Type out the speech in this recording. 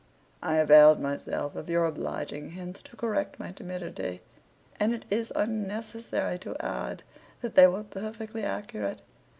I availed myself of your obliging hints to correct my timidity, and it is unnecessary to add that they were perfectly accurate.